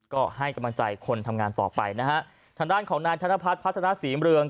ก็ให้กำลังใจคนทำงานต่อไปนะฮะทางด้านของนายธนพัฒน์พัฒนาศรีเมือง